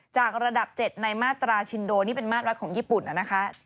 จากระดับ๗ในมาตราชินโดนี่เป็นมาตรของญี่ปุ่นนะคะ